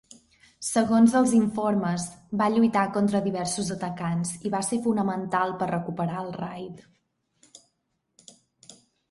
Segons els informes, va lluitar contra diversos atacants i va ser fonamental per recuperar el raid.